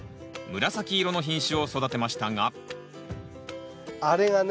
紫色の品種を育てましたがあれがね。